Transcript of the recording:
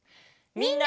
みんな！